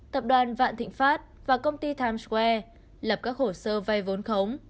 tập đoàn vạn thịnh pháp và công ty times square lập các hồ sơ vay vốn khống